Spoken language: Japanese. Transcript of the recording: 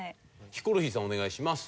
ヒコロヒーさんお願いします。